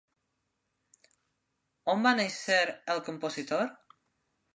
On va néixer el compositor?